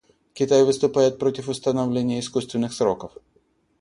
Китай выступает против установления искусственных сроков.